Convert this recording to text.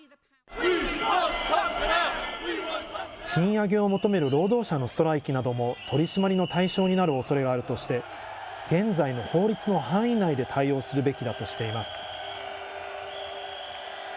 賃上げを求める労働者のストライキなども取締りの対象になるおそれがあるとして、現在の法律の範囲内で対応するべきだとしています。